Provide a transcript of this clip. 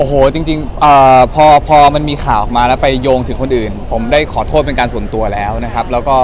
โอ้โหจริงพอมันมีข่าวออกมาแล้วไปโยงถึงคนอื่นผมได้ขอโทษเป็นการส่วนตัวแล้วนะครับแล้วก็